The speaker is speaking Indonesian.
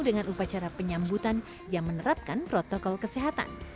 dengan upacara penyambutan yang menerapkan protokol kesehatan